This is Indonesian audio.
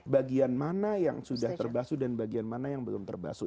bagian mana yang sudah terbasu dan bagian mana yang belum terbasu